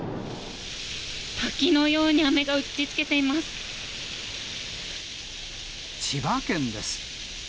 滝のように雨が打ちつけてい千葉県です。